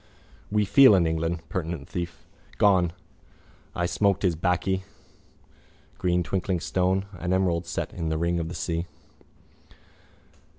We feel in England. Penitent thief. Gone. I smoked his baccy. Green twinkling stone. An emerald set in the ring of the sea.